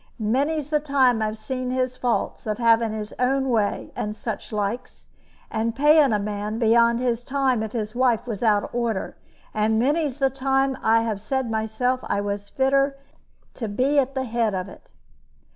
Many's the time I have seen his faults, of having his own way, and such likes, and paying a man beyond his time if his wife was out of order. And many's the time I have said myself I was fitter to be at the head of it.